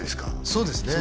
そうですね